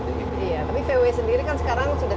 iya tapi vw sendiri kan sekarang sudah